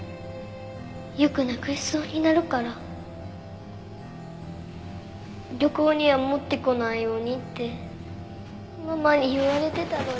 よくなくしそうになるから旅行には持ってこないようにってママに言われてたのに。